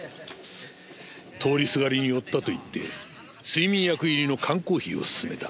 通りすがりに寄ったと言って睡眠薬入りの缶コーヒーをすすめた。